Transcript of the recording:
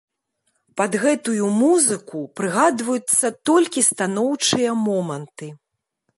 Пад гэтую музыку прыгадваюцца толькі станоўчыя моманты.